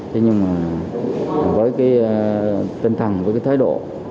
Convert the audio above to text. thế nhưng mà với cái tinh thần với cái thái độ